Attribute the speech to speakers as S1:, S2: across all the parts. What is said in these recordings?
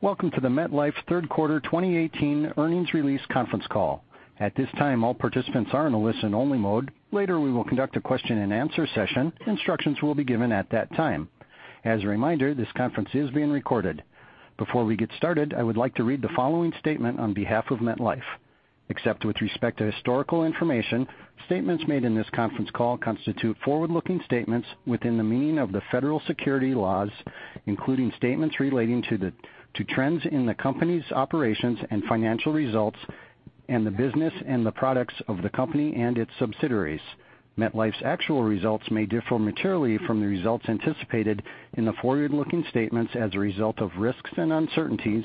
S1: Welcome to the MetLife third quarter 2018 earnings release conference call. At this time, all participants are in a listen-only mode. Later, we will conduct a question and answer session. Instructions will be given at that time. As a reminder, this conference is being recorded. Before we get started, I would like to read the following statement on behalf of MetLife. Except with respect to historical information, statements made in this conference call constitute forward-looking statements within the meaning of the federal securities laws, including statements relating to trends in the company's operations and financial results and the business and the products of the company and its subsidiaries. MetLife's actual results may differ materially from the results anticipated in the forward-looking statements as a result of risks and uncertainties,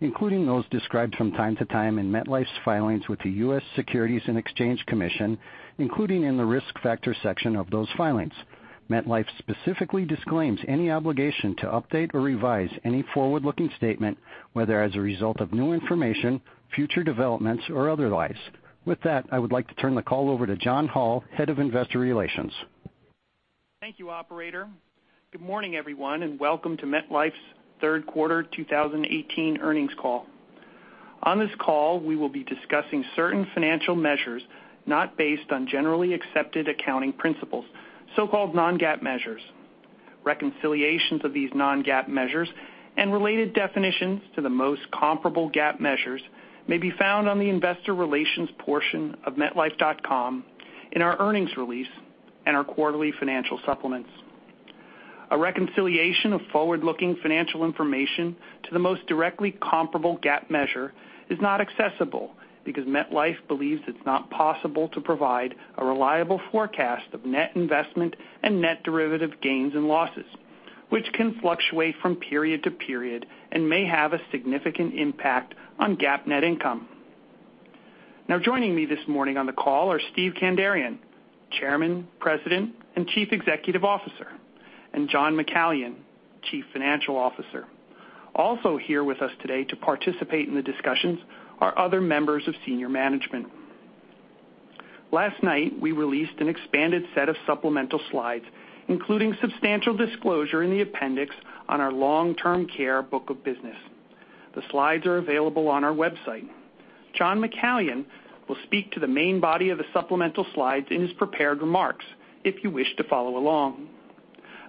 S1: including those described from time to time in MetLife's filings with the U.S. Securities and Exchange Commission, including in the Risk Factor section of those filings. MetLife specifically disclaims any obligation to update or revise any forward-looking statement, whether as a result of new information, future developments, or otherwise. I would like to turn the call over to John Hall, Head of Investor Relations.
S2: Thank you, operator. Good morning, everyone, welcome to MetLife's third quarter 2018 earnings call. On this call, we will be discussing certain financial measures not based on generally accepted accounting principles, so-called non-GAAP measures. Reconciliations of these non-GAAP measures and related definitions to the most comparable GAAP measures may be found on the investor relations portion of metlife.com in our earnings release and our quarterly financial supplements. A reconciliation of forward-looking financial information to the most directly comparable GAAP measure is not accessible because MetLife believes it is not possible to provide a reliable forecast of net investment and net derivative gains and losses, which can fluctuate from period to period and may have a significant impact on GAAP net income. Joining me this morning on the call are Steven Kandarian, Chairman, President, and Chief Executive Officer, and John McCallion, Chief Financial Officer. Also here with us today to participate in the discussions are other members of senior management. Last night, we released an expanded set of supplemental slides, including substantial disclosure in the appendix on our long-term care book of business. The slides are available on our website. John McCallion will speak to the main body of the supplemental slides in his prepared remarks if you wish to follow along.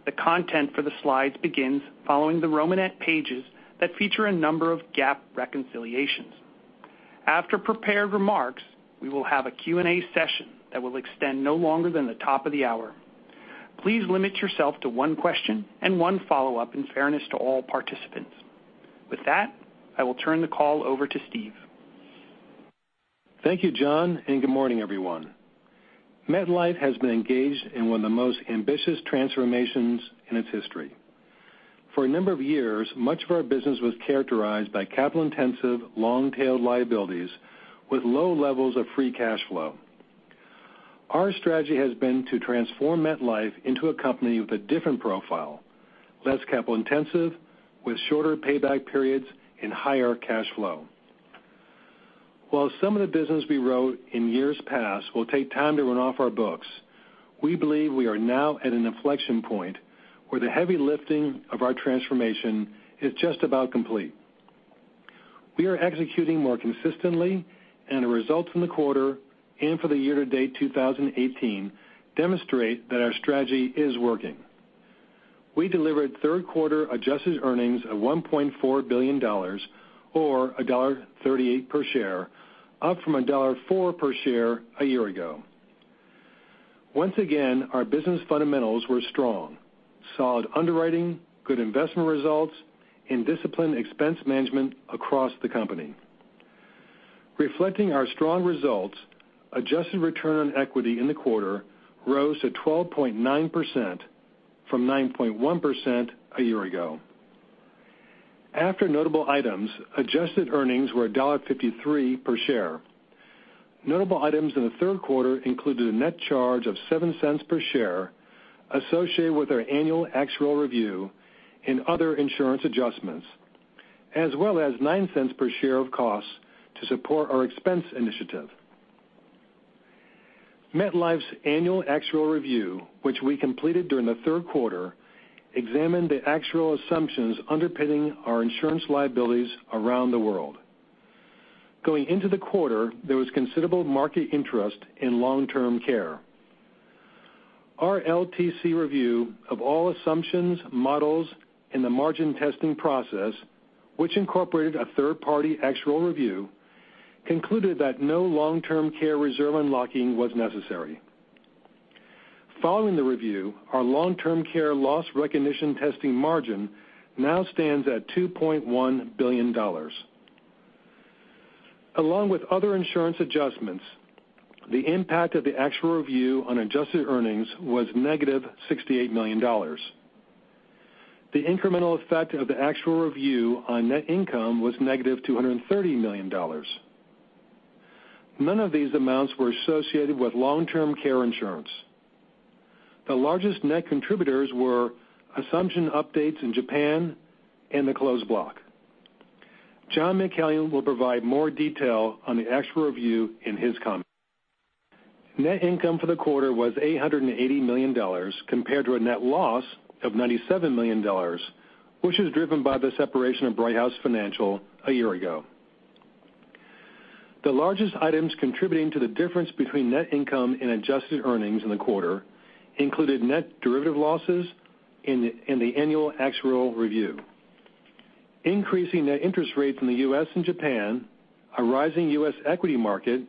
S2: The content for the slides begins following the Romanette pages that feature a number of GAAP reconciliations. After prepared remarks, we will have a Q&A session that will extend no longer than the top of the hour. Please limit yourself to one question and one follow-up in fairness to all participants. I will turn the call over to Steve.
S3: Thank you, John, and good morning, everyone. MetLife has been engaged in one of the most ambitious transformations in its history. For a number of years, much of our business was characterized by capital-intensive, long-tailed liabilities with low levels of free cash flow. Our strategy has been to transform MetLife into a company with a different profile, less capital-intensive, with shorter payback periods and higher cash flow. While some of the business we wrote in years past will take time to run off our books, we believe we are now at an inflection point where the heavy lifting of our transformation is just about complete. We are executing more consistently, and the results from the quarter and for the year-to-date 2018 demonstrate that our strategy is working. We delivered third-quarter adjusted earnings of $1.4 billion, or $1.38 per share, up from $1.04 per share a year ago. Once again, our business fundamentals were strong. Solid underwriting, good investment results, and disciplined expense management across the company. Reflecting our strong results, adjusted return on equity in the quarter rose to 12.9% from 9.1% a year ago. After notable items, adjusted earnings were $1.53 per share. Notable items in the third quarter included a net charge of $0.07 per share associated with our annual actuarial review and other insurance adjustments, as well as $0.09 per share of costs to support our expense initiative. MetLife's annual actuarial review, which we completed during the third quarter, examined the actuarial assumptions underpinning our insurance liabilities around the world. Going into the quarter, there was considerable market interest in long-term care. Our LTC review of all assumptions, models, and the margin testing process, which incorporated a third-party actuarial review, concluded that no long-term care reserve unlocking was necessary. Following the review, our long-term care loss recognition testing margin now stands at $2.1 billion. Along with other insurance adjustments, the impact of the actuarial review on adjusted earnings was negative $68 million. The incremental effect of the actuarial review on net income was negative $230 million. None of these amounts were associated with long-term care insurance. The largest net contributors were assumption updates in Japan and the closed block. John McCallion will provide more detail on the actuarial review in his comments. Net income for the quarter was $880 million compared to a net loss of $97 million, which is driven by the separation of Brighthouse Financial a year ago. The largest items contributing to the difference between net income and adjusted earnings in the quarter included net derivative losses in the annual actuarial review. Increasing net interest rates in the U.S. and Japan, a rising U.S. equity market,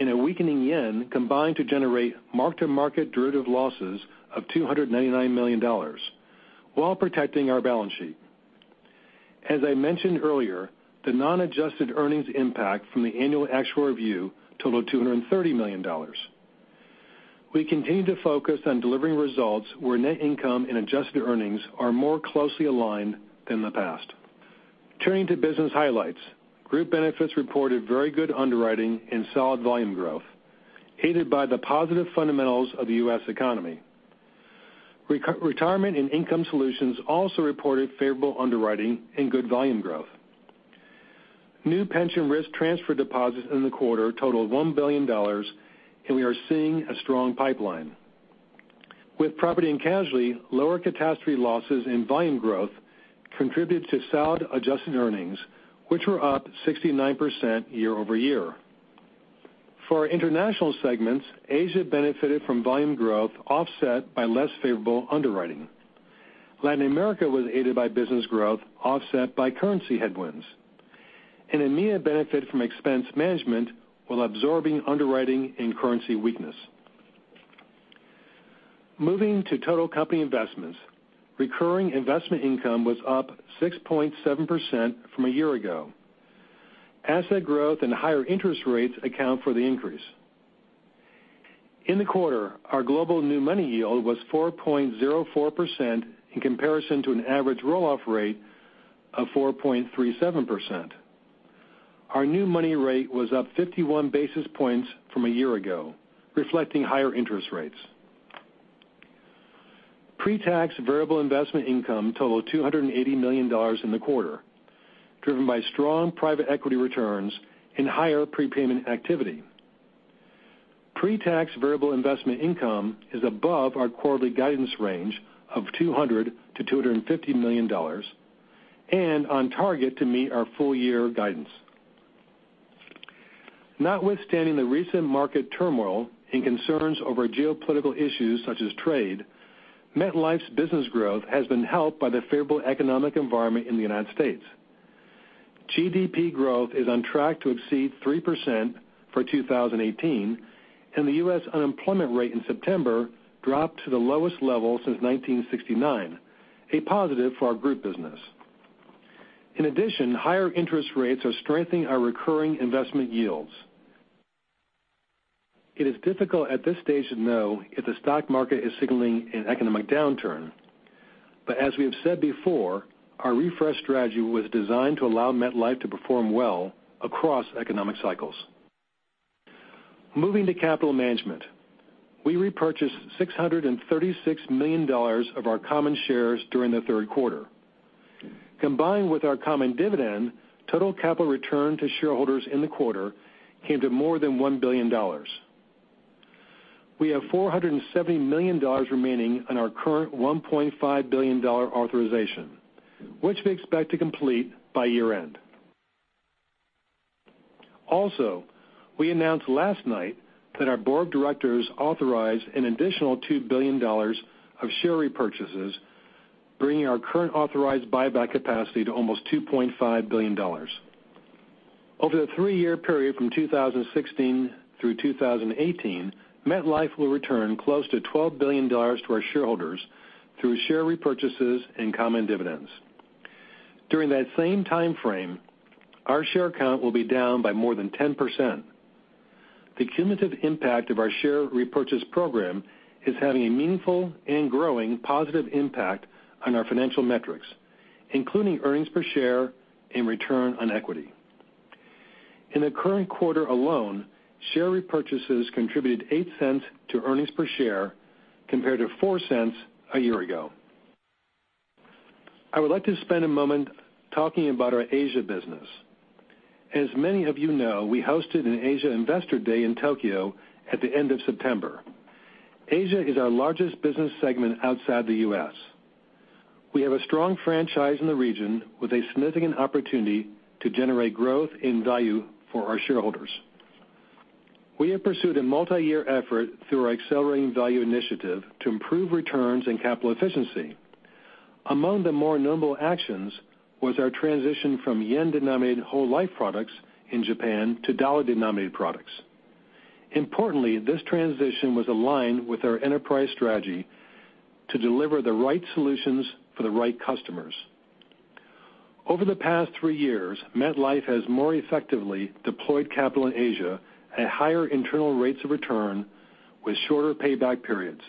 S3: and a weakening yen combined to generate mark-to-market derivative losses of $299 million while protecting our balance sheet. As I mentioned earlier, the non-adjusted earnings impact from the annual actuarial review totaled $230 million. We continue to focus on delivering results where net income and adjusted earnings are more closely aligned than the past. Turning to business highlights. Group Benefits reported very good underwriting and solid volume growth, aided by the positive fundamentals of the U.S. economy. Retirement and Income Solutions also reported favorable underwriting and good volume growth. New pension risk transfer deposits in the quarter totaled $1 billion, and we are seeing a strong pipeline. With property and casualty, lower catastrophe losses and volume growth contributed to solid adjusted earnings, which were up 69% year-over-year. For our international segments, Asia benefited from volume growth offset by less favorable underwriting. Latin America was aided by business growth offset by currency headwinds. EMEA benefited from expense management while absorbing underwriting and currency weakness. Moving to total company investments, recurring investment income was up 6.7% from a year ago. Asset growth and higher interest rates account for the increase. In the quarter, our global new money yield was 4.04% in comparison to an average roll-off rate of 4.37%. Our new money rate was up 51 basis points from a year ago, reflecting higher interest rates. Pre-tax variable investment income totaled $280 million in the quarter, driven by strong private equity returns and higher prepayment activity. Pre-tax variable investment income is above our quarterly guidance range of $200 million-$250 million and on target to meet our full-year guidance. Notwithstanding the recent market turmoil and concerns over geopolitical issues such as trade, MetLife's business growth has been helped by the favorable economic environment in the U.S. GDP growth is on track to exceed 3% for 2018, and the U.S. unemployment rate in September dropped to the lowest level since 1969, a positive for our group business. In addition, higher interest rates are strengthening our recurring investment yields. It is difficult at this stage to know if the stock market is signaling an economic downturn, but as we have said before, our refresh strategy was designed to allow MetLife to perform well across economic cycles. Moving to capital management. We repurchased $636 million of our common shares during the third quarter. Combined with our common dividend, total capital return to shareholders in the quarter came to more than $1 billion. We have $470 million remaining on our current $1.5 billion authorization, which we expect to complete by year-end. Also, we announced last night that our board of directors authorized an additional $2 billion of share repurchases, bringing our current authorized buyback capacity to almost $2.5 billion. Over the three-year period from 2016 through 2018, MetLife will return close to $12 billion to our shareholders through share repurchases and common dividends. During that same time frame, our share count will be down by more than 10%. The cumulative impact of our share repurchase program is having a meaningful and growing positive impact on our financial metrics, including earnings per share and return on equity. In the current quarter alone, share repurchases contributed $0.08 to earnings per share compared to $0.04 a year ago. I would like to spend a moment talking about our Asia business. As many of you know, we hosted an Asia investor day in Tokyo at the end of September. Asia is our largest business segment outside the U.S. We have a strong franchise in the region with a significant opportunity to generate growth and value for our shareholders. We have pursued a multi-year effort through our Accelerating Value initiative to improve returns and capital efficiency. Among the more notable actions was our transition from yen-denominated whole life products in Japan to dollar-denominated products. Importantly, this transition was aligned with our enterprise strategy to deliver the right solutions for the right customers. Over the past three years, MetLife has more effectively deployed capital in Asia at higher internal rates of return with shorter payback periods,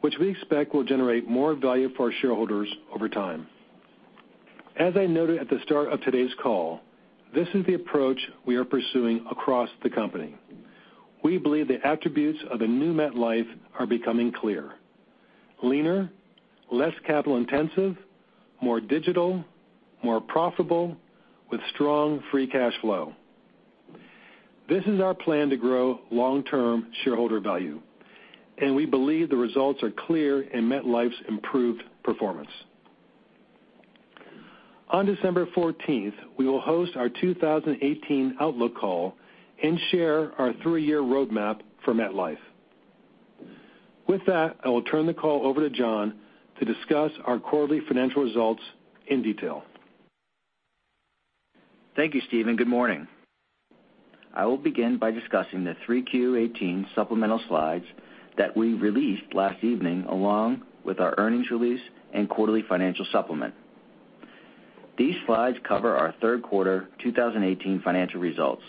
S3: which we expect will generate more value for our shareholders over time. As I noted at the start of today's call, this is the approach we are pursuing across the company. We believe the attributes of a new MetLife are becoming clear. Leaner, less capital intensive, more digital, more profitable with strong free cash flow. This is our plan to grow long-term shareholder value, and we believe the results are clear in MetLife's improved performance. On December 14th, we will host our 2018 Outlook call and share our three-year roadmap for MetLife. With that, I will turn the call over to John to discuss our quarterly financial results in detail.
S4: Thank you, Steve. Good morning. I will begin by discussing the 3Q18 supplemental slides that we released last evening, along with our earnings release and quarterly financial supplement. These slides cover our third quarter 2018 financial results,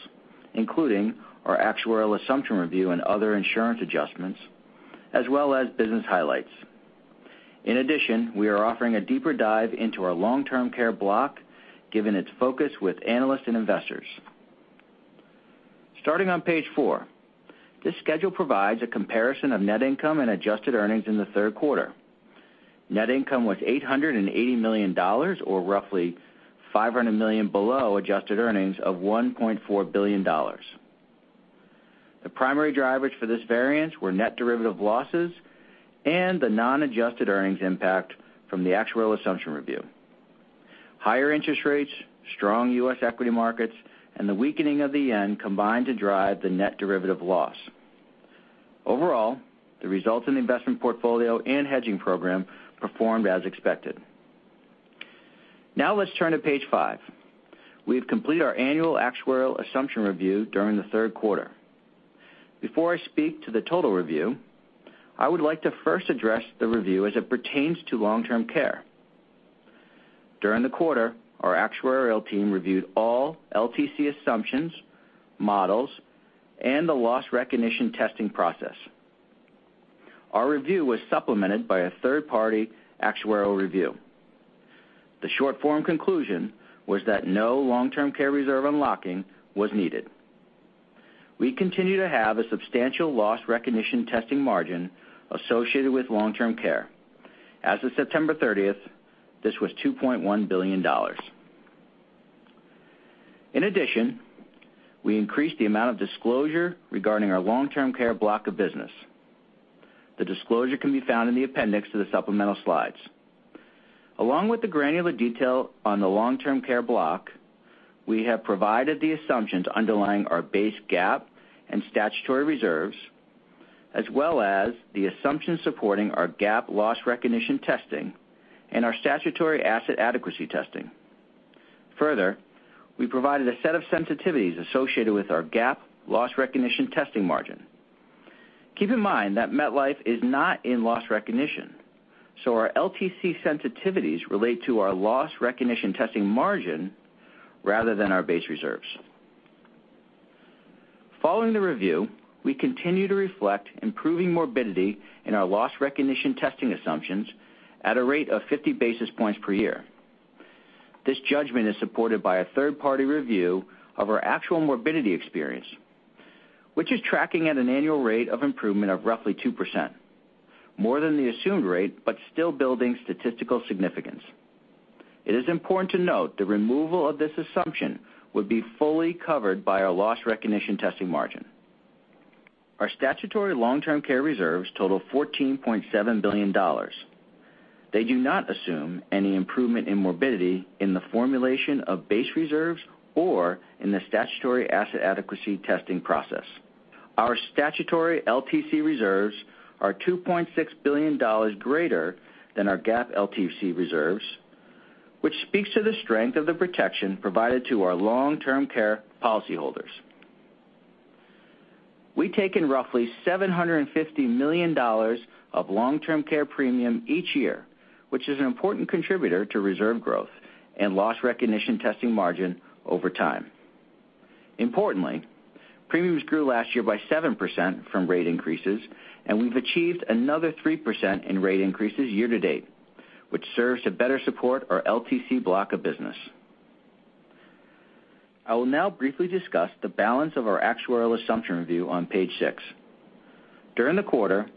S4: including our actuarial assumption review and other insurance adjustments, as well as business highlights. In addition, we are offering a deeper dive into our long-term care block, given its focus with analysts and investors. Starting on page four, this schedule provides a comparison of net income and adjusted earnings in the third quarter. Net income was $880 million, or roughly $500 million below adjusted earnings of $1.4 billion. The primary drivers for this variance were net derivative losses and the non-adjusted earnings impact from the actuarial assumption review. Higher interest rates, strong U.S. equity markets, and the weakening of the yen combined to drive the net derivative loss. Overall, the results in the investment portfolio and hedging program performed as expected. Now let's turn to page five. We've completed our annual actuarial assumption review during the third quarter. Before I speak to the total review, I would like to first address the review as it pertains to long-term care. During the quarter, our actuarial team reviewed all LTC assumptions, models, and the loss recognition testing process. Our review was supplemented by a third-party actuarial review. The short form conclusion was that no long-term care reserve unlocking was needed. We continue to have a substantial loss recognition testing margin associated with long-term care. As of September 30th, this was $2.1 billion. In addition, we increased the amount of disclosure regarding our long-term care block of business. The disclosure can be found in the appendix to the supplemental slides. Along with the granular detail on the long-term care block, we have provided the assumptions underlying our base GAAP and statutory reserves, as well as the assumptions supporting our GAAP loss recognition testing and our statutory asset adequacy testing. Further, we provided a set of sensitivities associated with our GAAP loss recognition testing margin. Keep in mind that MetLife is not in loss recognition, so our LTC sensitivities relate to our loss recognition testing margin rather than our base reserves. Following the review, we continue to reflect improving morbidity in our loss recognition testing assumptions at a rate of 50 basis points per year. This judgment is supported by a third-party review of our actual morbidity experience, which is tracking at an annual rate of improvement of roughly 2%, more than the assumed rate, but still building statistical significance. It is important to note the removal of this assumption would be fully covered by our loss recognition testing margin. Our statutory long-term care reserves total $14.7 billion. They do not assume any improvement in morbidity in the formulation of base reserves or in the statutory asset adequacy testing process. Our statutory LTC reserves are $2.6 billion greater than our GAAP LTC reserves, which speaks to the strength of the protection provided to our long-term care policyholders. We take in roughly $750 million of long-term care premium each year, which is an important contributor to reserve growth and loss recognition testing margin over time. Importantly, premiums grew last year by 7% from rate increases, and we've achieved another 3% in rate increases year to date, which serves to better support our LTC block of business. I will now briefly discuss the balance of our actuarial assumption review on page six. During the quarter,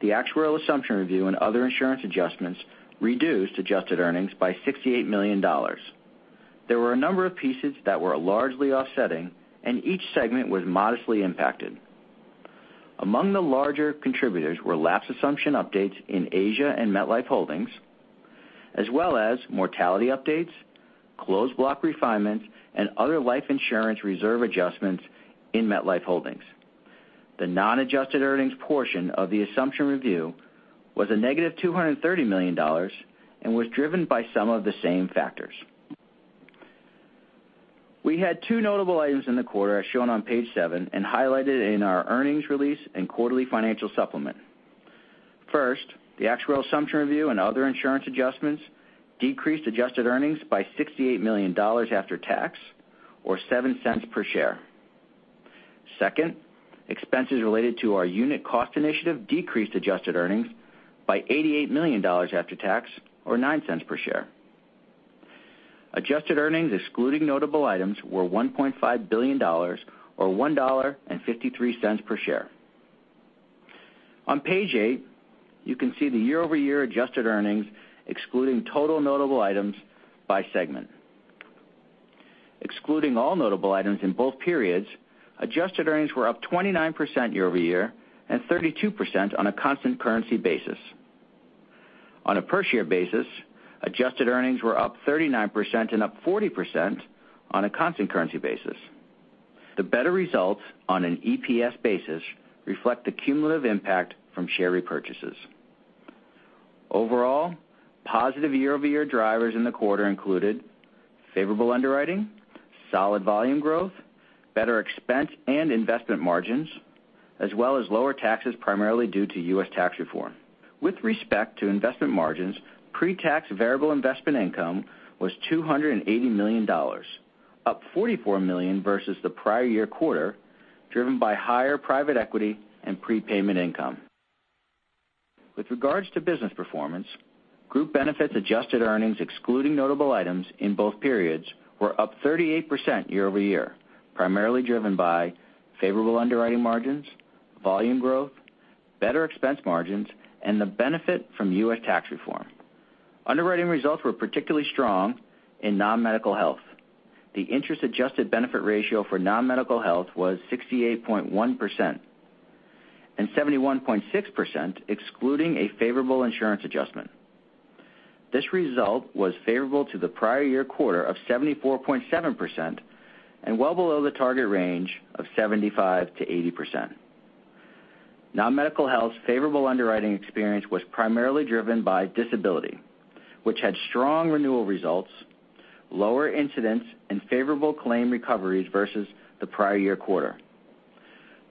S4: the actuarial assumption review and other insurance adjustments reduced adjusted earnings by $68 million. There were a number of pieces that were largely offsetting, and each segment was modestly impacted. Among the larger contributors were lapse assumption updates in Asia and MetLife Holdings, as well as mortality updates, closed block refinements, and other life insurance reserve adjustments in MetLife Holdings. The non-adjusted earnings portion of the assumption review was a negative $230 million and was driven by some of the same factors. We had two notable items in the quarter, as shown on page seven and highlighted in our earnings release and quarterly financial supplement. First, the actuarial assumption review and other insurance adjustments decreased adjusted earnings by $68 million after tax, or $0.07 per share. Second, expenses related to our unit cost initiative decreased adjusted earnings by $88 million after tax, or $0.09 per share. Adjusted earnings, excluding notable items, were $1.5 billion, or $1.53 per share. On page eight, you can see the year-over-year adjusted earnings excluding total notable items by segment. Excluding all notable items in both periods, adjusted earnings were up 29% year-over-year and 32% on a constant currency basis. On a per share basis, adjusted earnings were up 39% and up 40% on a constant currency basis. The better results on an EPS basis reflect the cumulative impact from share repurchases. Overall, positive year-over-year drivers in the quarter included favorable underwriting, solid volume growth, better expense and investment margins, as well as lower taxes, primarily due to U.S. tax reform. With respect to investment margins, pre-tax variable investment income was $280 million, up $44 million versus the prior year quarter, driven by higher private equity and prepayment income. With regards to business performance, group benefits adjusted earnings, excluding notable items in both periods were up 38% year-over-year, primarily driven by favorable underwriting margins, volume growth, better expense margins, and the benefit from U.S. tax reform. Underwriting results were particularly strong in non-medical health. The interest-adjusted benefit ratio for non-medical health was 68.1% and 71.6%, excluding a favorable insurance adjustment. This result was favorable to the prior year quarter of 74.7% and well below the target range of 75%-80%. Non-medical health's favorable underwriting experience was primarily driven by disability, which had strong renewal results, lower incidents, and favorable claim recoveries versus the prior year quarter.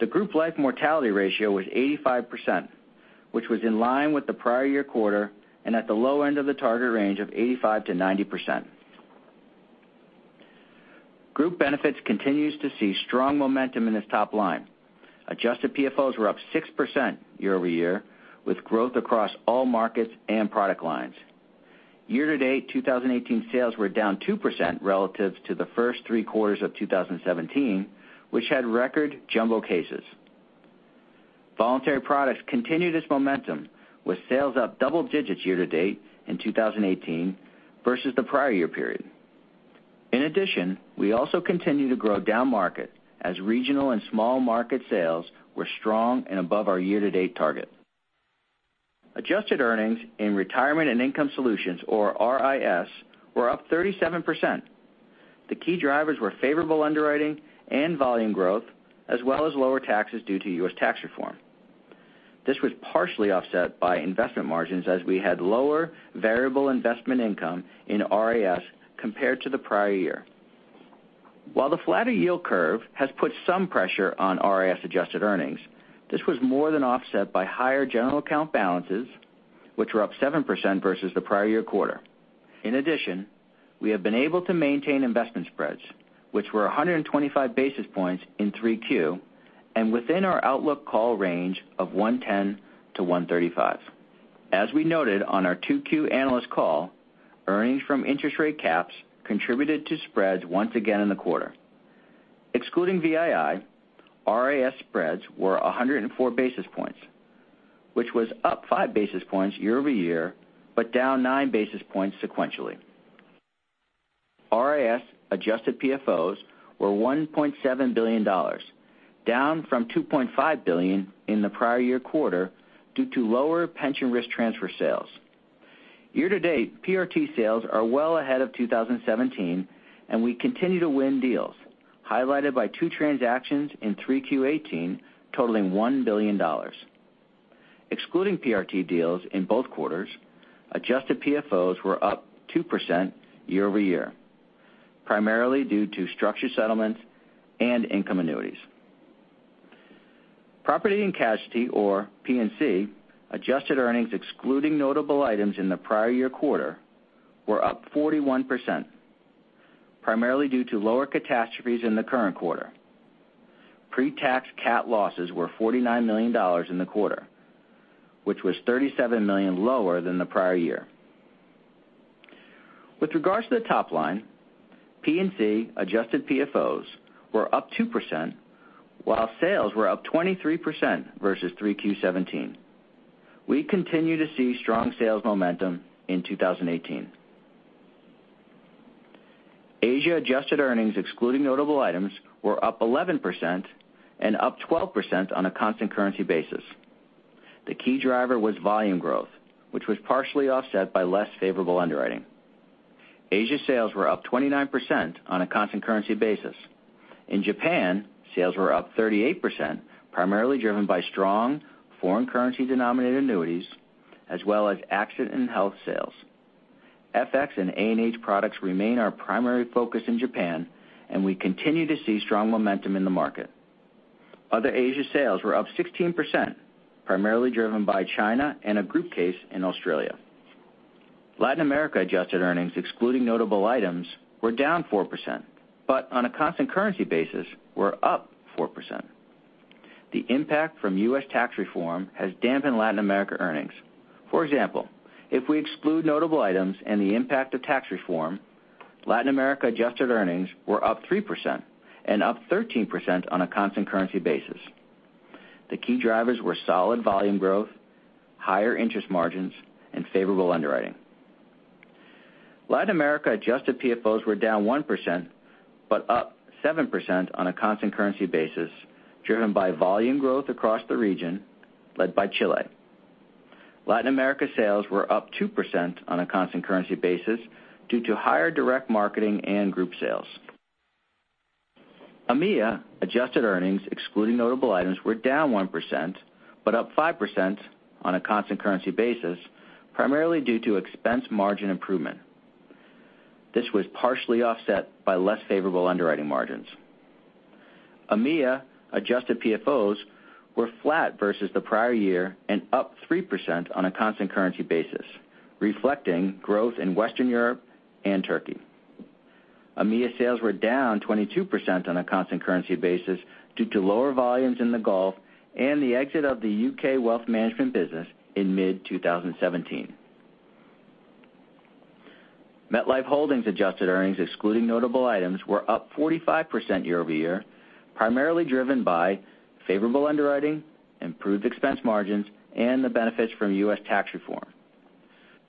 S4: The Group Life mortality ratio was 85%, which was in line with the prior year quarter and at the low end of the target range of 85%-90%. Group Benefits continues to see strong momentum in its top line. Adjusted PFOs were up 6% year-over-year, with growth across all markets and product lines. Year-to-date, 2018 sales were down 2% relative to the first three quarters of 2017, which had record jumbo cases. Voluntary products continue this momentum with sales up double digits year-to-date in 2018 versus the prior year period. In addition, we also continue to grow down market as regional and small market sales were strong and above our year-to-date target. Adjusted earnings in Retirement and Income Solutions, or RIS, were up 37%. The key drivers were favorable underwriting and volume growth, as well as lower taxes due to U.S. tax reform. This was partially offset by investment margins as we had lower variable investment income in RIS compared to the prior year. While the flatter yield curve has put some pressure on RIS adjusted earnings, this was more than offset by higher general account balances, which were up 7% versus the prior year quarter. In addition, we have been able to maintain investment spreads, which were 125 basis points in 3Q and within our outlook call range of 110 to 135. As we noted on our 2Q analyst call, earnings from interest rate caps contributed to spreads once again in the quarter. Excluding VII, RIS spreads were 104 basis points, which was up five basis points year-over-year, but down nine basis points sequentially. RIS adjusted PFOs were $1.7 billion, down from $2.5 billion in the prior year quarter due to lower pension risk transfer sales. Year-to-date, PRT sales are well ahead of 2017, and we continue to win deals, highlighted by two transactions in 3Q18 totaling $1 billion. Excluding PRT deals in both quarters, adjusted PFOs were up 2% year-over-year, primarily due to structured settlements and income annuities. Property and Casualty, or P&C, adjusted earnings excluding notable items in the prior year quarter were up 41%, primarily due to lower catastrophes in the current quarter. Pre-tax cat losses were $49 million in the quarter, which was $37 million lower than the prior year. With regards to the top line, P&C adjusted PFOs were up 2%, while sales were up 23% versus 3Q17. We continue to see strong sales momentum in 2018. Asia adjusted earnings, excluding notable items, were up 11% and up 12% on a constant currency basis. The key driver was volume growth, which was partially offset by less favorable underwriting. Asia sales were up 29% on a constant currency basis. In Japan, sales were up 38%, primarily driven by strong foreign currency denominated annuities as well as accident and health sales. FX and A&H products remain our primary focus in Japan, and we continue to see strong momentum in the market. Other Asia sales were up 16%, primarily driven by China and a group case in Australia. Latin America adjusted earnings, excluding notable items, were down 4%, but on a constant currency basis were up 4%. The impact from U.S. tax reform has dampened Latin America earnings. For example, if we exclude notable items and the impact of tax reform, Latin America adjusted earnings were up 3% and up 13% on a constant currency basis. The key drivers were solid volume growth, higher interest margins, and favorable underwriting. Latin America adjusted PFOs were down 1%, but up 7% on a constant currency basis, driven by volume growth across the region led by Chile. Latin America sales were up 2% on a constant currency basis due to higher direct marketing and group sales. EMEA adjusted earnings, excluding notable items, were down 1%, but up 5% on a constant currency basis, primarily due to expense margin improvement. This was partially offset by less favorable underwriting margins. EMEA adjusted PFOs were flat versus the prior year and up 3% on a constant currency basis, reflecting growth in Western Europe and Turkey. EMEA sales were down 22% on a constant currency basis due to lower volumes in the Gulf and the exit of the U.K. wealth management business in mid-2017. MetLife Holdings adjusted earnings, excluding notable items, were up 45% year-over-year, primarily driven by favorable underwriting, improved expense margins, and the benefits from U.S. tax reform.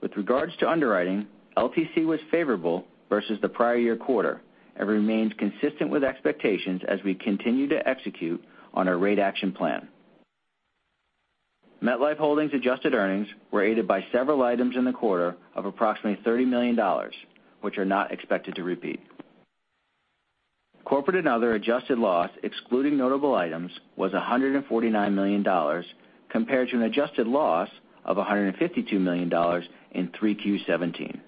S4: With regards to underwriting, LTC was favorable versus the prior year quarter and remains consistent with expectations as we continue to execute on our rate action plan. MetLife Holdings adjusted earnings were aided by several items in the quarter of approximately $30 million, which are not expected to repeat. Corporate and other adjusted loss, excluding notable items, was $149 million, compared to an adjusted loss of $152 million in 3Q17.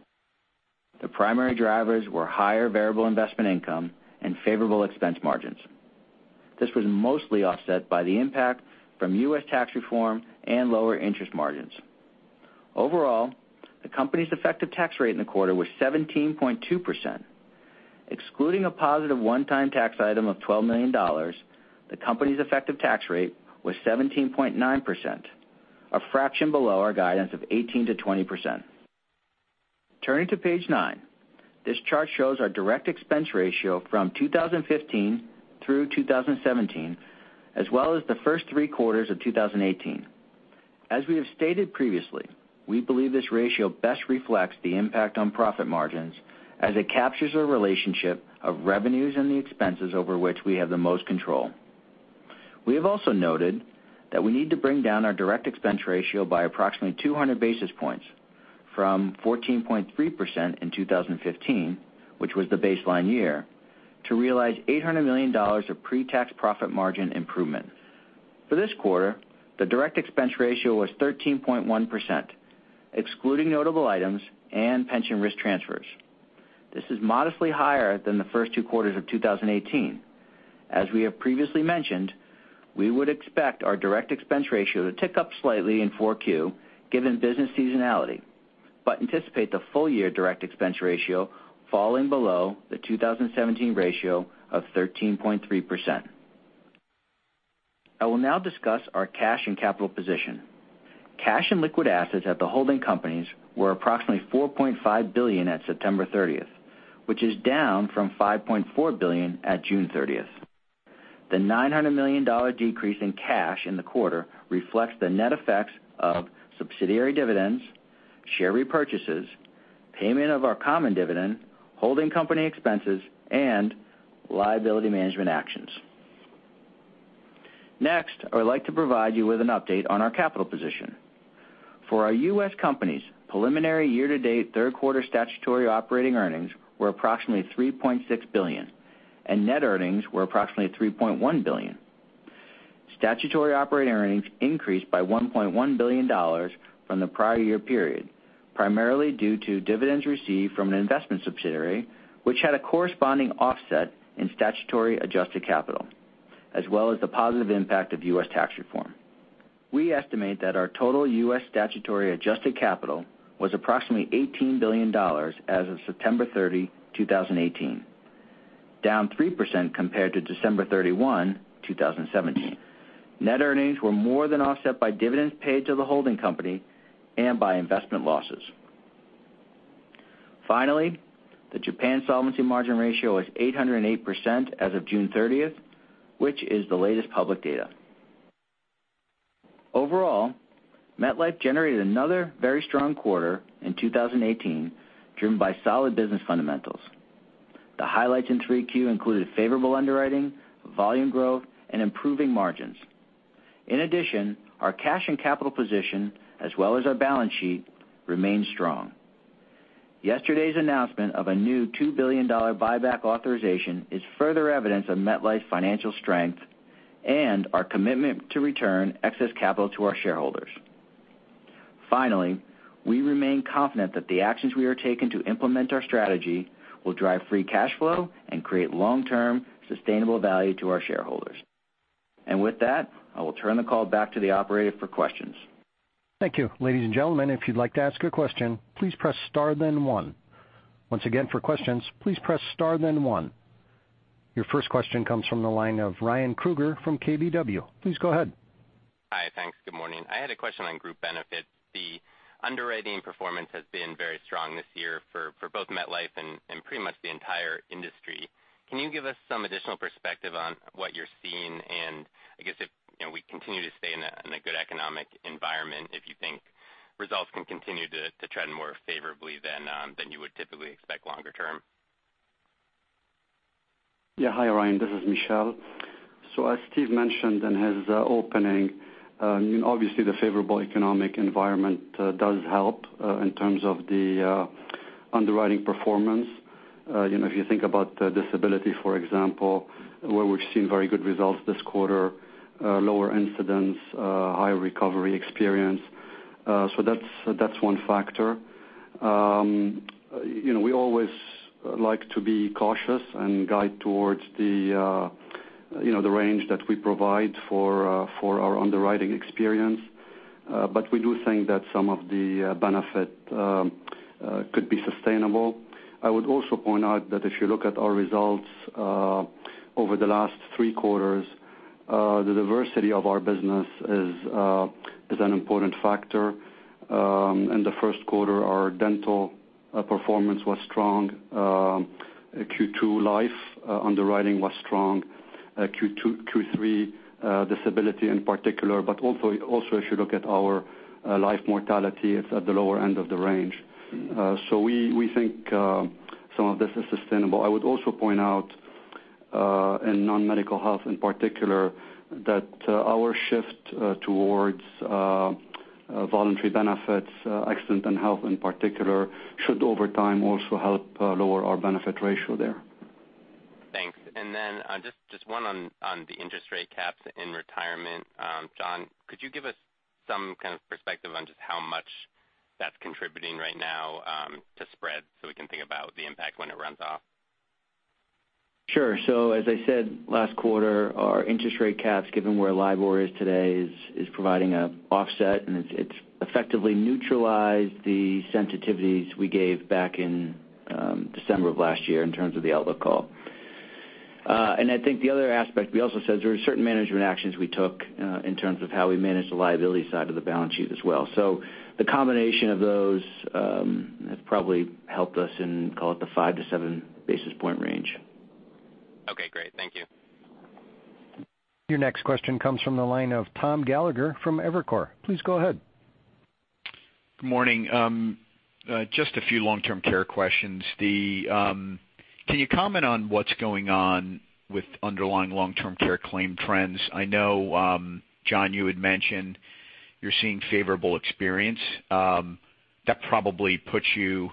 S4: The primary drivers were higher variable investment income and favorable expense margins. This was mostly offset by the impact from U.S. tax reform and lower interest margins. Overall, the company's effective tax rate in the quarter was 17.2%. Excluding a positive one-time tax item of $12 million, the company's effective tax rate was 17.9%, a fraction below our guidance of 18%-20%. Turning to page nine. This chart shows our direct expense ratio from 2015 through 2017, as well as the first three quarters of 2018. As we have stated previously, we believe this ratio best reflects the impact on profit margins as it captures the relationship of revenues and the expenses over which we have the most control. We have also noted that we need to bring down our direct expense ratio by approximately 200 basis points from 14.3% in 2015, which was the baseline year, to realize $800 million of pre-tax profit margin improvement. For this quarter, the direct expense ratio was 13.1%, excluding notable items and pension risk transfers. This is modestly higher than the first two quarters of 2018. As we have previously mentioned, we would expect our direct expense ratio to tick up slightly in 4Q given business seasonality, but anticipate the full year direct expense ratio falling below the 2017 ratio of 13.3%. I will now discuss our cash and capital position. Cash and liquid assets at the holding companies were approximately $4.5 billion at September 30th, which is down from $5.4 billion at June 30th. The $900 million decrease in cash in the quarter reflects the net effects of subsidiary dividends, share repurchases, payment of our common dividend, holding company expenses, and liability management actions. Next, I would like to provide you with an update on our capital position. For our U.S. companies, preliminary year-to-date third quarter statutory operating earnings were approximately $3.6 billion, and net earnings were approximately $3.1 billion. Statutory operating earnings increased by $1.1 billion from the prior year period, primarily due to dividends received from an investment subsidiary, which had a corresponding offset in statutory adjusted capital, as well as the positive impact of U.S. tax reform. We estimate that our total U.S. statutory adjusted capital was approximately $18 billion as of September 30, 2018, down 3% compared to December 31, 2017. Net earnings were more than offset by dividends paid to the holding company and by investment losses. The Japan solvency margin ratio is 808% as of June 30th, which is the latest public data. Overall, MetLife generated another very strong quarter in 2018, driven by solid business fundamentals. The highlights in 3Q included favorable underwriting, volume growth, and improving margins. In addition, our cash and capital position, as well as our balance sheet, remain strong. Yesterday's announcement of a new $2 billion buyback authorization is further evidence of MetLife's financial strength and our commitment to return excess capital to our shareholders. We remain confident that the actions we are taking to implement our strategy will drive free cash flow and create long-term sustainable value to our shareholders. With that, I will turn the call back to the operator for questions.
S1: Thank you. Ladies and gentlemen, if you'd like to ask a question, please press star then one. Once again, for questions, please press star then one. Your first question comes from the line of Ryan Krueger from KBW. Please go ahead.
S5: Hi, thanks. Good morning. I had a question on group benefits. The underwriting performance has been very strong this year for both MetLife and pretty much the entire industry. Can you give us some additional perspective on what you're seeing? I guess if we continue to stay in a good economic environment, if you think results can continue to trend more favorably than you would typically expect longer term?
S6: Yeah. Hi, Ryan. This is Michel. As Steve mentioned in his opening, obviously the favorable economic environment does help in terms of the underwriting performance. If you think about disability, for example, where we've seen very good results this quarter, lower incidents, higher recovery experience. That's one factor. We always like to be cautious and guide towards the range that we provide for our underwriting experience. But we do think that some of the benefit could be sustainable. I would also point out that if you look at our results over the last three quarters, the diversity of our business is an important factor. In the first quarter, our dental performance was strong. Q2 life underwriting was strong. Q3 disability in particular, but also if you look at our life mortality, it's at the lower end of the range. We think some of this is sustainable. I would also point out in non-medical health in particular, that our shift towards voluntary benefits, accident and health in particular, should over time also help lower our benefit ratio there.
S5: Thanks. Just one on the interest rate caps in retirement. John, could you give us some kind of perspective on just how much that's contributing right now to spread so we can think about the impact when it runs off?
S4: Sure. As I said last quarter, our interest rate caps, given where LIBOR is today, is providing an offset, and it's effectively neutralized the sensitivities we gave back in December of last year in terms of the outlook call. I think the other aspect we also said is there are certain management actions we took in terms of how we manage the liability side of the balance sheet as well. The combination of those have probably helped us in, call it the five to seven basis point range.
S5: Okay, great. Thank you.
S1: Your next question comes from the line of Thomas Gallagher from Evercore. Please go ahead.
S7: Good morning. Just a few long-term care questions. Can you comment on what's going on with underlying long-term care claim trends? I know, John, you had mentioned you're seeing favorable experience. That probably puts you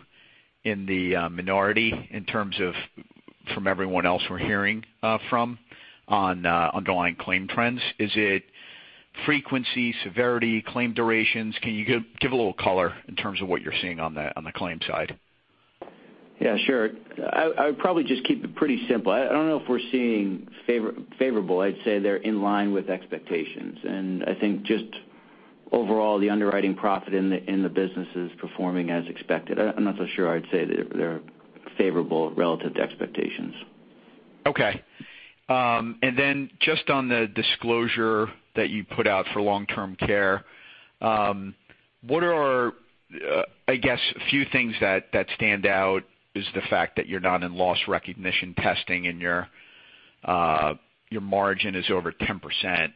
S7: in the minority in terms of from everyone else we're hearing from on underlying claim trends. Is it frequency, severity, claim durations? Can you give a little color in terms of what you're seeing on the claim side?
S4: Yeah, sure. I would probably just keep it pretty simple. I don't know if we're seeing favorable. I'd say they're in line with expectations, and I think just overall the underwriting profit in the business is performing as expected. I'm not so sure I'd say that they're favorable relative to expectations.
S7: Okay. Then just on the disclosure that you put out for long-term care, what are, I guess, few things that stand out is the fact that you're not in loss recognition testing and your margin is over 10%,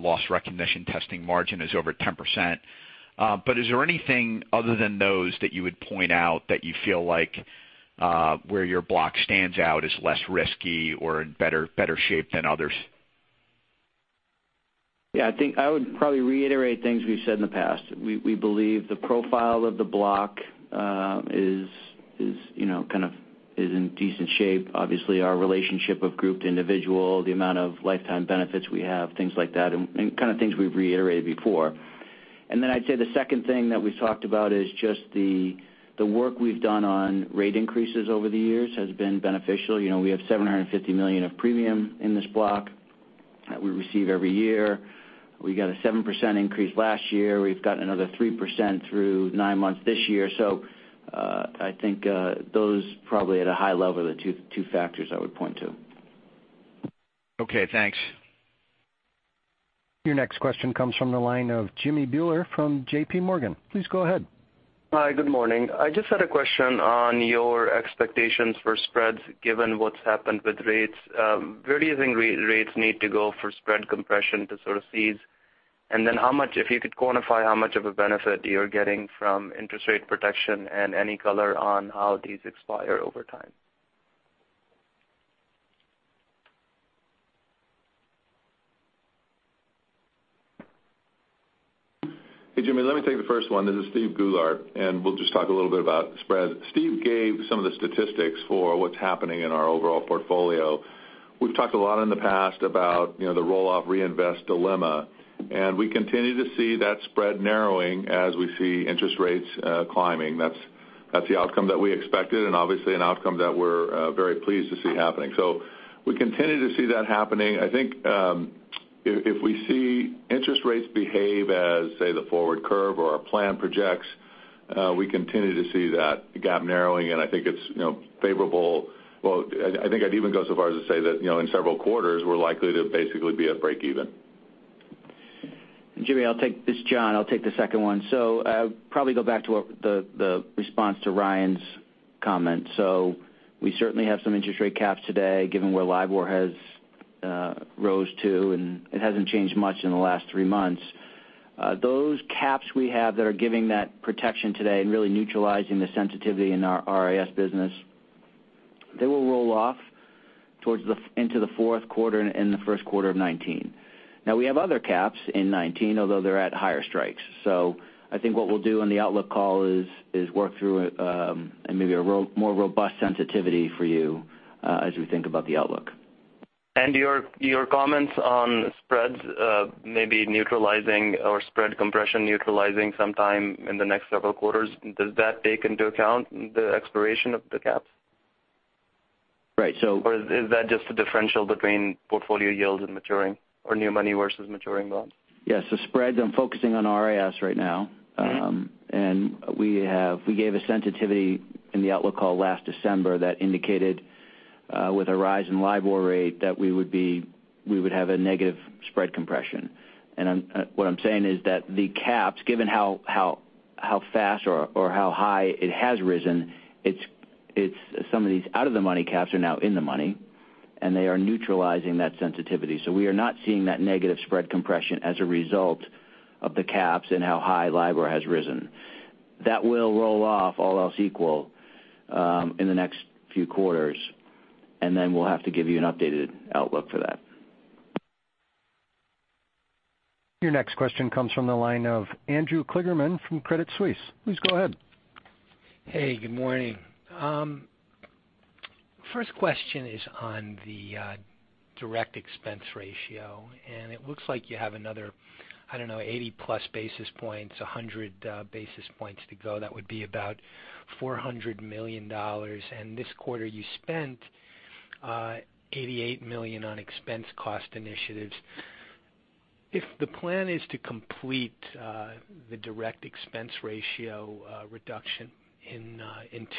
S7: loss recognition testing margin is over 10%. Is there anything other than those that you would point out that you feel like where your block stands out as less risky or in better shape than others?
S4: Yeah, I think I would probably reiterate things we've said in the past. We believe the profile of the block is in decent shape. Obviously, our relationship of group to individual, the amount of lifetime benefits we have, things like that, and kind of things we've reiterated before. Then I'd say the second thing that we've talked about is just the work we've done on rate increases over the years has been beneficial. We have $750 million of premium in this block that we receive every year. We got a 7% increase last year. We've got another 3% through nine months this year. I think those probably at a high level are the two factors I would point to.
S7: Okay, thanks.
S1: Your next question comes from the line of Jimmy Bhullar from J.P. Morgan. Please go ahead.
S8: Hi. Good morning. I just had a question on your expectations for spreads given what's happened with rates. Where do you think rates need to go for spread compression to sort of cease? If you could quantify how much of a benefit you're getting from interest rate protection and any color on how these expire over time?
S9: Hey, Jimmy, let me take the first one. This is Steven Goulart, and we'll just talk a little bit about spreads. Steve gave some of the statistics for what's happening in our overall portfolio. We've talked a lot in the past about the roll-off reinvest dilemma, and we continue to see that spread narrowing as we see interest rates climbing. That's the outcome that we expected and obviously an outcome that we're very pleased to see happening. We continue to see that happening. I think If we see interest rates behave as, say, the forward curve or our plan projects, we continue to see that gap narrowing, and I think it's favorable. I think I'd even go so far as to say that in several quarters, we're likely to basically be at breakeven.
S4: Jimmy, this is John. I'll take the second one. Probably go back to the response to Ryan's comment. We certainly have some interest rate caps today, given where LIBOR has rose to, and it hasn't changed much in the last three months. Those caps we have that are giving that protection today and really neutralizing the sensitivity in our RIS business, they will roll off into the fourth quarter and the first quarter of 2019. We have other caps in 2019, although they're at higher strikes. I think what we'll do on the outlook call is work through it and maybe a more robust sensitivity for you as we think about the outlook.
S8: Your comments on spreads maybe neutralizing or spread compression neutralizing sometime in the next several quarters, does that take into account the expiration of the caps?
S4: Right.
S8: Is that just the differential between portfolio yield and maturing or new money versus maturing loans?
S4: Yeah. Spreads, I'm focusing on RIS right now. We gave a sensitivity in the outlook call last December that indicated, with a rise in LIBOR rate, that we would have a negative spread compression. What I'm saying is that the caps, given how fast or how high it has risen, some of these out of the money caps are now in the money, and they are neutralizing that sensitivity. We are not seeing that negative spread compression as a result of the caps and how high LIBOR has risen. That will roll off, all else equal, in the next few quarters, and then we'll have to give you an updated outlook for that.
S1: Your next question comes from the line of Andrew Kligerman from Credit Suisse. Please go ahead.
S10: Hey, good morning. First question is on the direct expense ratio. It looks like you have another, I don't know, 80-plus basis points, 100 basis points to go. That would be about $400 million. This quarter you spent, $88 million on expense cost initiatives. If the plan is to complete the direct expense ratio reduction in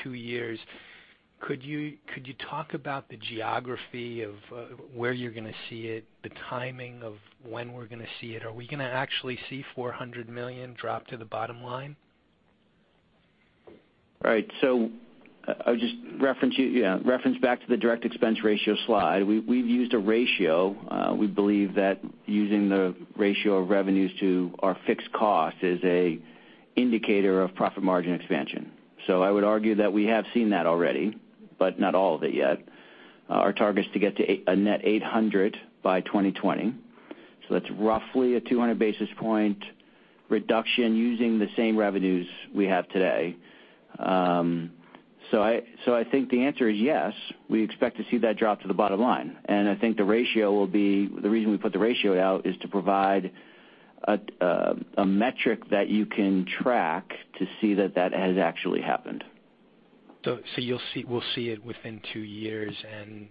S10: two years, could you talk about the geography of where you're going to see it, the timing of when we're going to see it? Are we going to actually see $400 million drop to the bottom line?
S4: Right. I would just reference back to the direct expense ratio slide. We've used a ratio. We believe that using the ratio of revenues to our fixed cost is a indicator of profit margin expansion. I would argue that we have seen that already, but not all of it yet. Our target's to get to a net 800 by 2020. That's roughly a 200 basis point reduction using the same revenues we have today. I think the answer is yes, we expect to see that drop to the bottom line. I think the reason we put the ratio out is to provide a metric that you can track to see that that has actually happened.
S10: We'll see it within two years.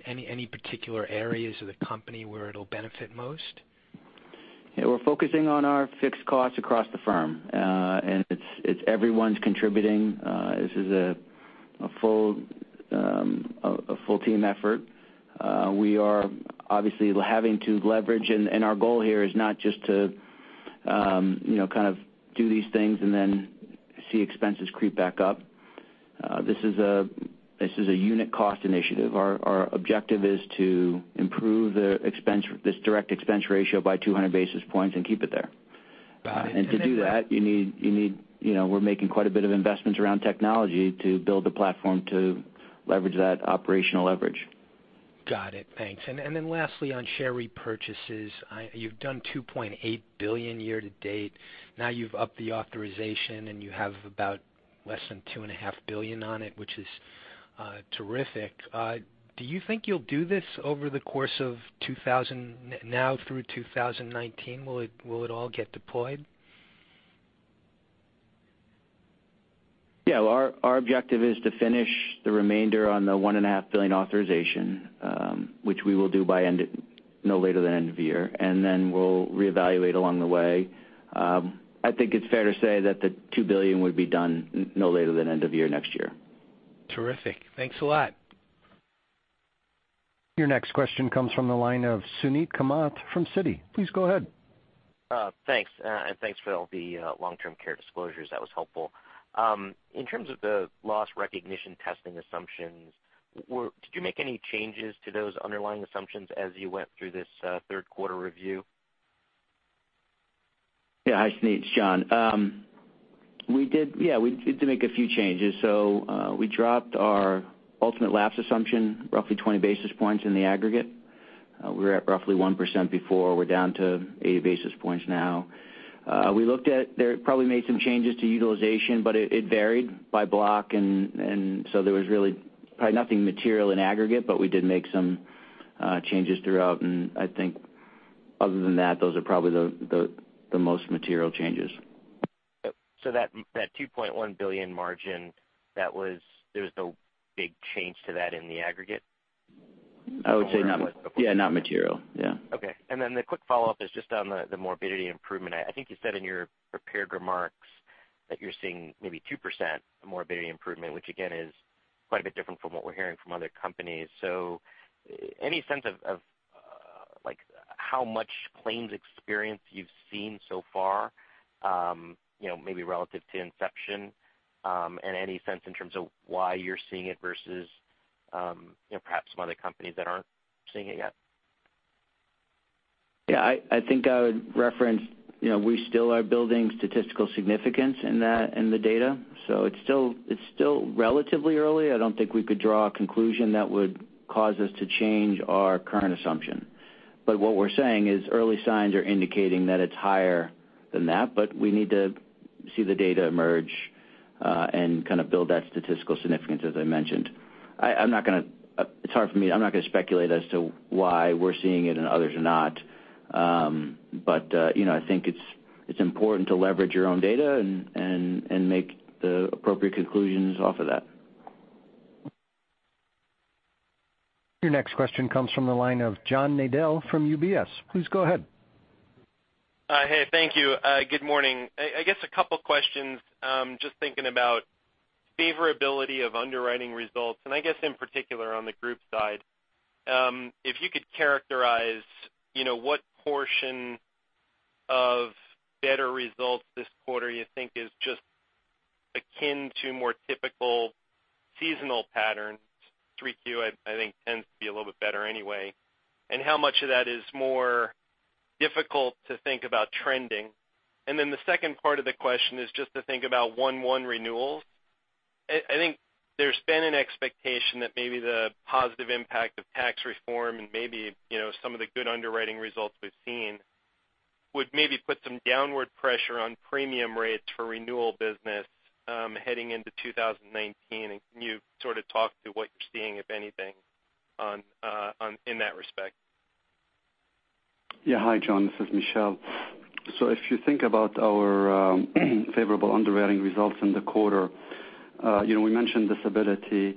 S10: Any particular areas of the company where it'll benefit most?
S4: Yeah, we're focusing on our fixed costs across the firm. It's everyone's contributing. This is a full team effort. We are obviously having to leverage, and our goal here is not just to kind of do these things and then see expenses creep back up. This is a unit cost initiative. Our objective is to improve this direct expense ratio by 200 basis points and keep it there.
S10: Got it.
S4: To do that, we're making quite a bit of investments around technology to build the platform to leverage that operational leverage.
S10: Got it. Thanks. Lastly on share repurchases, you've done $2.8 billion year to date. Now you've upped the authorization, and you have about less than $2.5 billion on it, which is terrific. Do you think you'll do this over the course of now through 2019? Will it all get deployed?
S4: Yeah. Our objective is to finish the remainder on the $1.5 billion authorization, which we will do by no later than end of year. We'll reevaluate along the way. I think it's fair to say that the $2 billion would be done no later than end of year next year.
S10: Terrific. Thanks a lot.
S1: Your next question comes from the line of Suneet Kamath from Citigroup. Please go ahead.
S11: Thanks. Thanks for all the long-term care disclosures. That was helpful. In terms of the loss recognition testing assumptions, did you make any changes to those underlying assumptions as you went through this third quarter review?
S4: Hi, Suneet. It's John. We did. We did make a few changes. We dropped our ultimate lapse assumption roughly 20 basis points in the aggregate. We were at roughly 1% before. We're down to 80 basis points now. We looked at there, probably made some changes to utilization, but it varied by block, there was really probably nothing material in aggregate, but we did make some changes throughout. I think other than that, those are probably the most material changes.
S11: That $2.1 billion margin, there was no big change to that in the aggregate?
S4: I would say, not material.
S11: Okay. The quick follow-up is just on the morbidity improvement. I think you said in your prepared remarks that you're seeing maybe 2% morbidity improvement, which again, is quite a bit different from what we're hearing from other companies. Any sense of how much claims experience you've seen so far maybe relative to inception, and any sense in terms of why you're seeing it versus perhaps some other companies that aren't seeing it yet?
S4: Yeah, I think I would reference, we still are building statistical significance in the data, it's still relatively early. I don't think we could draw a conclusion that would cause us to change our current assumption. What we're saying is early signs are indicating that it's higher than that, but we need to see the data emerge, and kind of build that statistical significance as I mentioned. It's hard for me, I'm not going to speculate as to why we're seeing it and others are not. I think it's important to leverage your own data and make the appropriate conclusions off of that.
S1: Your next question comes from the line of John Nadel from UBS. Please go ahead.
S12: Hey, thank you. Good morning. I guess a couple questions. Just thinking about favorability of underwriting results, and I guess in particular on the group side. If you could characterize what portion of better results this quarter you think is just akin to more typical seasonal patterns, 3Q I think tends to be a little bit better anyway, and how much of that is more difficult to think about trending? The second part of the question is just to think about 1/1 renewals. I think there's been an expectation that maybe the positive impact of tax reform and maybe some of the good underwriting results we've seen would maybe put some downward pressure on premium rates for renewal business heading into 2019. Can you sort of talk to what you're seeing, if anything, in that respect?
S6: Hi, John. This is Michel. If you think about our favorable underwriting results in the quarter, we mentioned disability.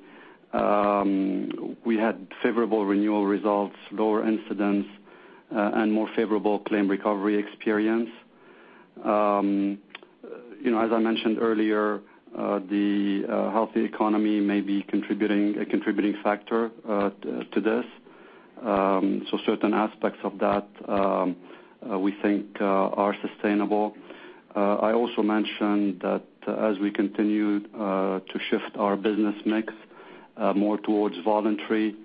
S6: We had favorable renewal results, lower incidents, and more favorable claim recovery experience. As I mentioned earlier, the healthy economy may be a contributing factor to this. Certain aspects of that we think are sustainable. I also mentioned that as we continue to shift our business mix more towards voluntary,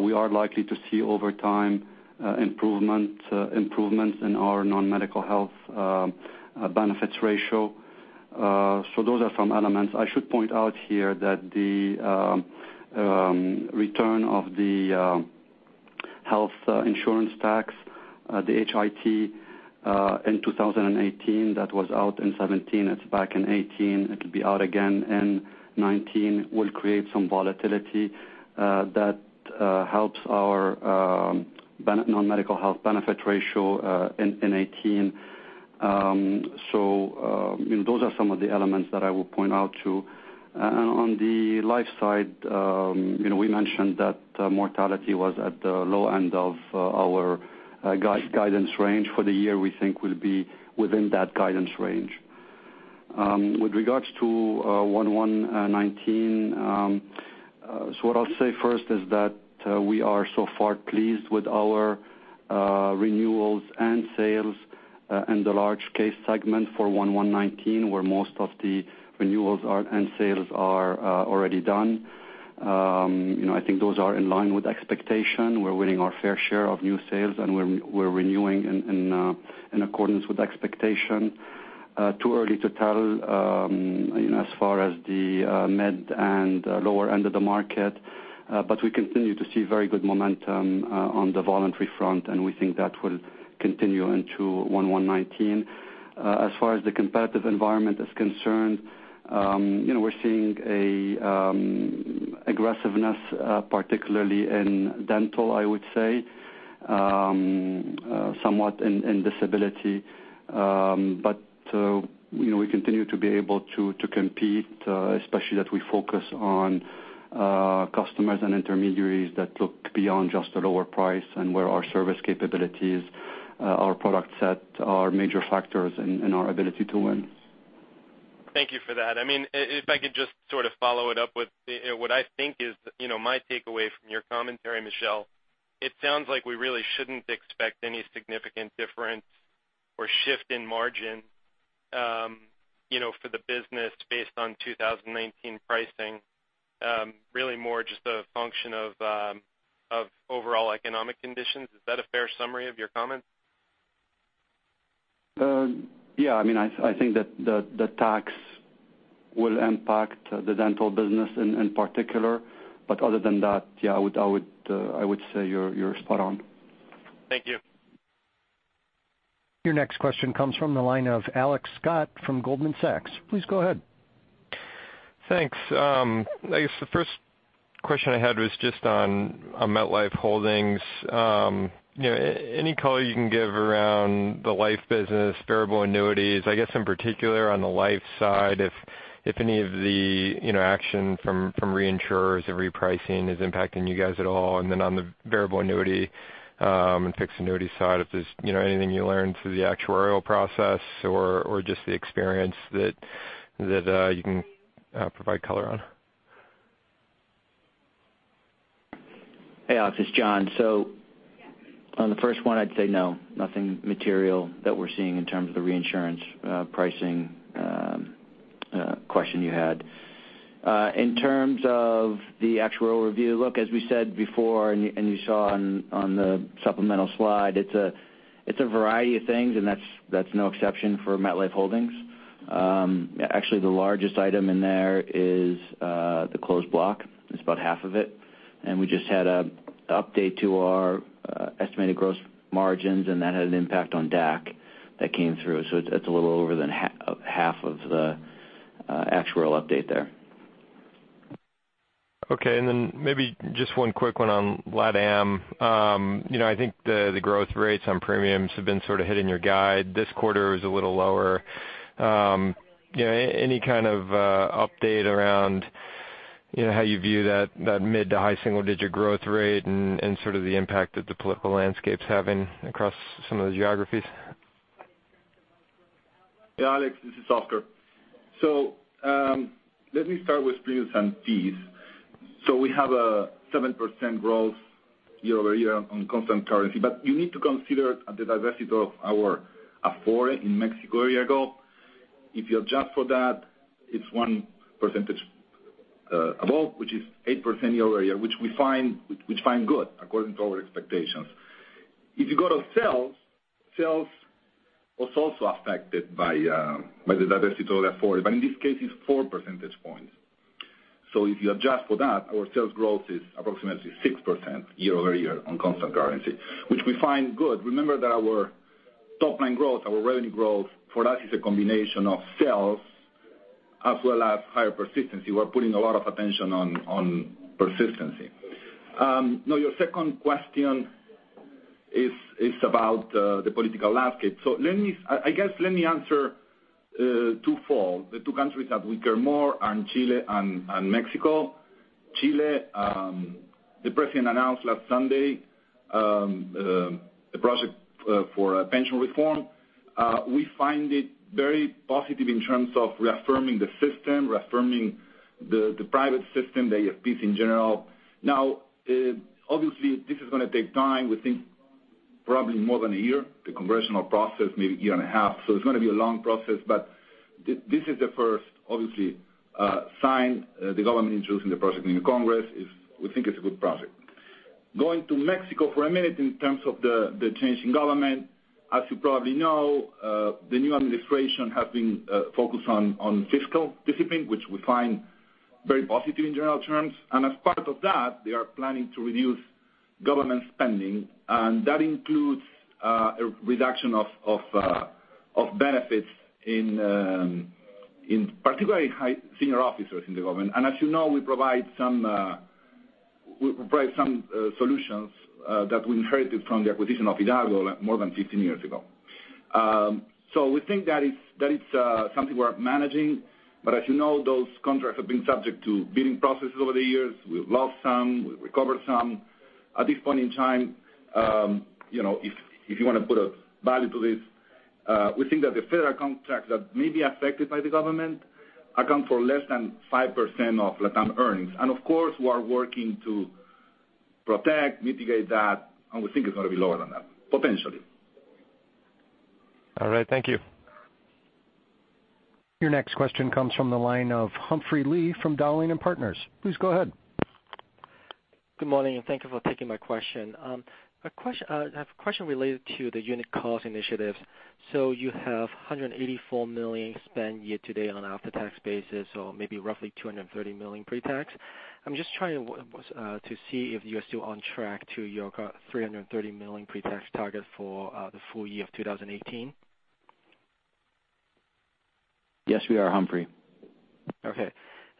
S6: we are likely to see over time improvements in our non-medical health benefits ratio. Those are some elements. I should point out here that the return of the health insurance tax, the HIT in 2018, that was out in 2017, it's back in 2018. It'll be out again in 2019, will create some volatility that helps our non-medical health benefit ratio in 2018. Those are some of the elements that I will point out, too. On the life side, we mentioned that mortality was at the low end of our guidance range for the year, we think will be within that guidance range. With regards to 1/1/2019, what I'll say first is that we are so far pleased with our renewals and sales in the large case segment for 1/1/2019, where most of the renewals and sales are already done. I think those are in line with expectation. We're winning our fair share of new sales, and we're renewing in accordance with expectation. Too early to tell as far as the mid and lower end of the market. We continue to see very good momentum on the voluntary front, and we think that will continue into 1/1/2019. As far as the competitive environment is concerned, we're seeing aggressiveness, particularly in dental, I would say, somewhat in disability. We continue to be able to compete, especially that we focus on customers and intermediaries that look beyond just a lower price and where our service capabilities, our product set are major factors in our ability to win.
S12: Thank you for that. If I could just sort of follow it up with what I think is my takeaway from your commentary, Michel. It sounds like we really shouldn't expect any significant difference or shift in margin for the business based on 2019 pricing. Really more just a function of overall economic conditions. Is that a fair summary of your comments?
S6: Yeah, I think that the tax will impact the dental business in particular. Other than that, yeah, I would say you're spot on.
S12: Thank you.
S1: Your next question comes from the line of Alex Scott from Goldman Sachs. Please go ahead.
S13: Thanks. I guess the first question I had was just on MetLife Holdings. Any color you can give around the life business, variable annuities, I guess in particular on the life side, if any of the action from reinsurers or repricing is impacting you guys at all, and then on the variable annuity and fixed annuity side, if there's anything you learned through the actuarial process or just the experience that you can provide color on?
S4: Alex, it's John. On the first one, I'd say no, nothing material that we're seeing in terms of the reinsurance pricing question you had. In terms of the actuarial review, look, as we said before, and you saw on the supplemental slide, it's a variety of things, and that's no exception for MetLife Holdings. Actually, the largest item in there is the closed block. It's about half of it. We just had an update to our estimated gross margins, and that had an impact on DAC that came through. It's a little over half of the actuarial update there.
S13: Okay. Maybe just one quick one on LatAm. I think the growth rates on premiums have been sort of hitting your guide. This quarter is a little lower. Any kind of update around how you view that mid to high single-digit growth rate and sort of the impact that the political landscape's having across some of the geographies?
S14: Yeah, Alex, this is Oscar. Let me start with premiums and fees. We have a 7% growth year-over-year on constant currency, but you need to consider the divestiture of our AFORE in Mexico a year ago. If you adjust for that, it's one percentage above, which is 8% year-over-year, which we find good according to our expectations. If you go to sales was also affected by the divestiture of AFORE, but in this case, it's four percentage points. If you adjust for that, our sales growth is approximately 6% year-over-year on constant currency, which we find good. Remember that our top-line growth, our revenue growth for that is a combination of sales as well as higher persistency. We're putting a lot of attention on persistency. Your second question is about the political landscape. I guess let me answer two-fold, the two countries that we care more are Chile and Mexico. Chile, the president announced last Sunday the project for a pension reform. We find it very positive in terms of reaffirming the system, reaffirming the private system, the AFPs in general. Obviously, this is going to take time. We think probably more than a year, the congressional process, maybe a year and a half. It's going to be a long process, but this is the first, obviously, sign the government introducing the project in the Congress. We think it's a good project. Going to Mexico for a minute in terms of the change in government. As you probably know, the new administration has been focused on fiscal discipline, which we find very positive in general terms. As part of that, they are planning to reduce government spending, and that includes a reduction of benefits in particularly high senior officers in the government. As you know, we provide some solutions that we inherited from the acquisition of Hidalgo more than 15 years ago. We think that it's something we're managing, but as you know, those contracts have been subject to bidding processes over the years. We've lost some, we've recovered some. At this point in time if you want to put a value to this, we think that the federal contracts that may be affected by the government account for less than 5% of LatAm earnings. Of course, we are working to protect, mitigate that, and we think it's going to be lower than that, potentially.
S13: All right. Thank you.
S1: Your next question comes from the line of Humphrey Lee from Dowling & Partners. Please go ahead.
S15: Good morning, and thank you for taking my question. I have a question related to the unit cost initiatives. You have $184 million spent year to date on after-tax basis, so maybe roughly $230 million pre-tax. I'm just trying to see if you are still on track to your $330 million pre-tax target for the full year of 2018.
S4: Yes, we are, Humphrey.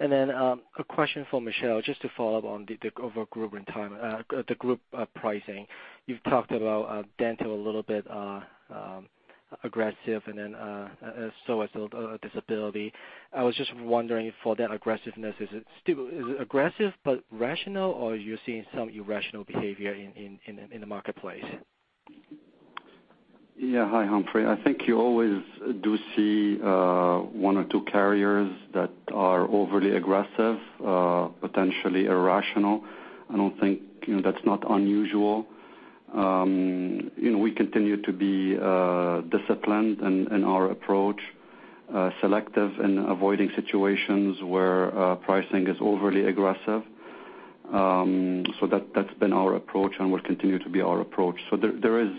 S15: Okay. A question for Michel, just to follow up on the group retirement, the group pricing. You've talked about dental a little bit aggressive, and then so has disability. I was just wondering if for that aggressiveness, is it aggressive but rational, or are you seeing some irrational behavior in the marketplace?
S6: Yeah. Hi, Humphrey. I think you always do see one or two carriers that are overly aggressive, potentially irrational. I don't think that's not unusual. We continue to be disciplined in our approach, selective in avoiding situations where pricing is overly aggressive. That's been our approach and will continue to be our approach. There is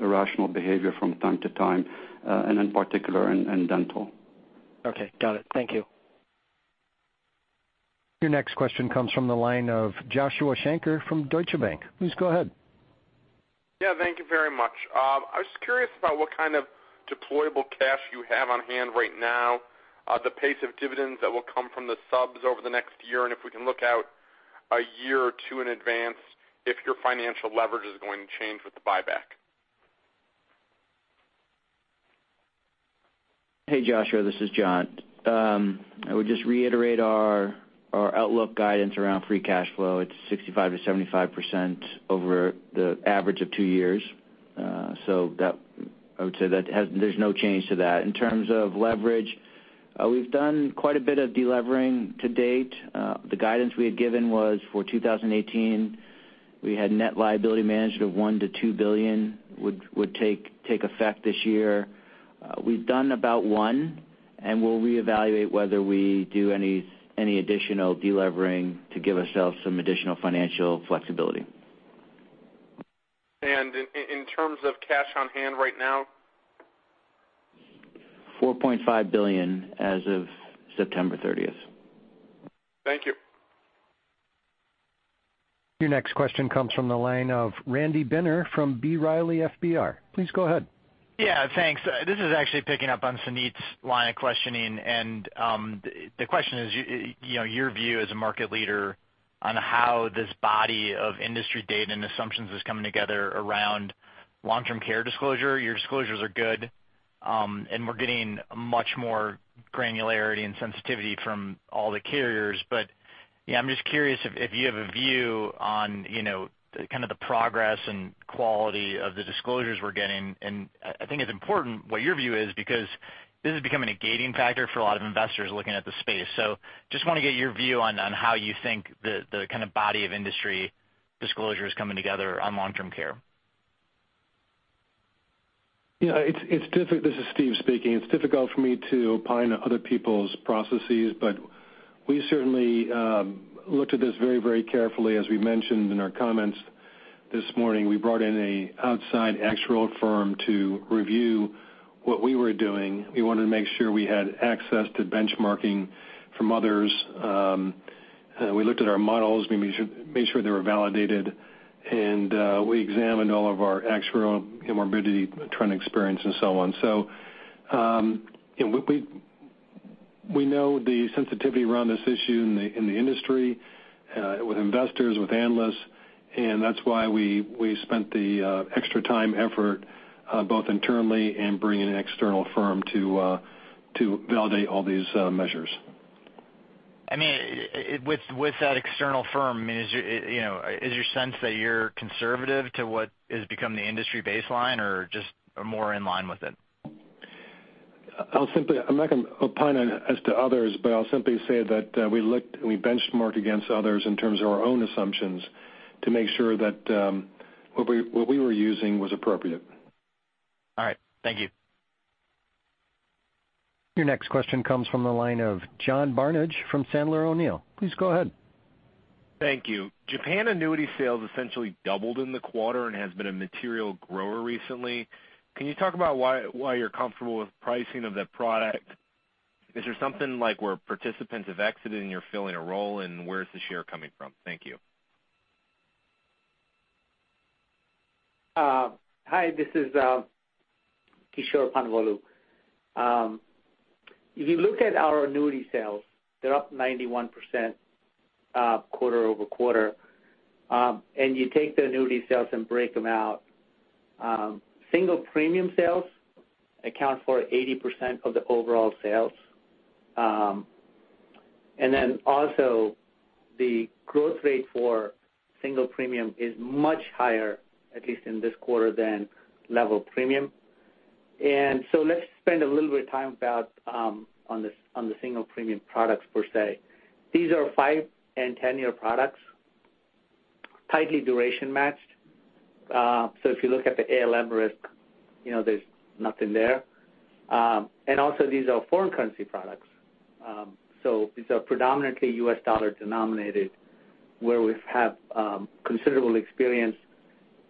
S6: irrational behavior from time to time, and in particular in dental.
S15: Okay. Got it. Thank you.
S1: Your next question comes from the line of Joshua Shanker from Deutsche Bank. Please go ahead.
S16: Yeah, thank you very much. I was just curious about what kind of deployable cash you have on hand right now, the pace of dividends that will come from the subs over the next year, and if we can look out a year or two in advance, if your financial leverage is going to change with the buyback.
S4: Hey, Joshua, this is John. I would just reiterate our outlook guidance around free cash flow. It's 65%-75% over the average of two years. I would say there's no change to that. In terms of leverage, we've done quite a bit of de-levering to date. The guidance we had given was for 2018. We had net liability management of $1 billion-$2 billion would take effect this year. We've done about one, and we'll reevaluate whether we do any additional de-levering to give ourselves some additional financial flexibility.
S16: In terms of cash on hand right now?
S4: $4.5 billion as of September 30th.
S16: Thank you.
S1: Your next question comes from the line of Randy Binner from B. Riley FBR. Please go ahead.
S17: Thanks. This is actually picking up on Suneet's line of questioning. The question is your view as a market leader on how this body of industry data and assumptions is coming together around long-term care disclosure. Your disclosures are good, and we're getting much more granularity and sensitivity from all the carriers. I'm just curious if you have a view on kind of the progress and quality of the disclosures we're getting. I think it's important what your view is because this is becoming a gating factor for a lot of investors looking at the space. Just want to get your view on how you think the kind of body of industry disclosure is coming together on long-term care.
S3: Yeah, this is Steve speaking. It's difficult for me to opine on other people's processes, but we certainly looked at this very carefully. As we mentioned in our comments this morning, we brought in an outside actuarial firm to review what we were doing. We wanted to make sure we had access to benchmarking from others. We looked at our models, we made sure they were validated, we examined all of our actuarial morbidity trend experience and so on. We know the sensitivity around this issue in the industry, with investors, with analysts, and that's why we spent the extra time, effort, both internally and bringing an external firm to validate all these measures.
S17: With that external firm, is your sense that you're conservative to what has become the industry baseline or just more in line with it?
S3: I'm not going to opine as to others, but I'll simply say that we looked and we benchmarked against others in terms of our own assumptions to make sure that what we were using was appropriate.
S17: All right. Thank you.
S1: Your next question comes from the line of John Barnidge from Sandler O'Neill & Partners. Please go ahead.
S18: Thank you. Japan annuity sales essentially doubled in the quarter. Has been a material grower recently. Can you talk about why you're comfortable with pricing of that product? Is there something like where participants have exited, you're filling a role, and where is the share coming from? Thank you.
S19: Hi, this is Kishore Ponnavolu. If you look at our annuity sales, they're up 91% quarter-over-quarter. You take the annuity sales and break them out. Single premium sales account for 80% of the overall sales. The growth rate for single premium is much higher, at least in this quarter, than level premium. Let's spend a little bit of time on the single premium products per se. These are 5 and 10-year products, tightly duration matched. If you look at the ALM risk, there's nothing there. Also these are foreign currency products. These are predominantly U.S. dollar denominated, where we have considerable experience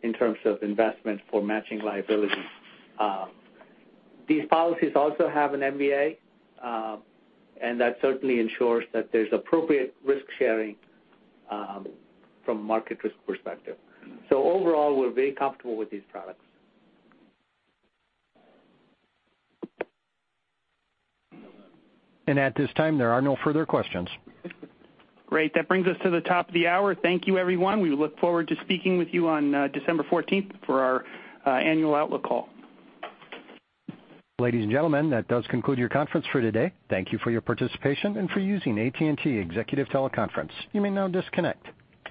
S19: in terms of investment for matching liability. These policies also have an MVA, that certainly ensures that there's appropriate risk-sharing from market risk perspective. Overall, we're very comfortable with these products.
S1: At this time, there are no further questions.
S2: Great. That brings us to the top of the hour. Thank you everyone. We look forward to speaking with you on December 14th for our annual outlook call.
S1: Ladies and gentlemen, that does conclude your conference for today. Thank you for your participation and for using AT&T Executive Teleconference. You may now disconnect.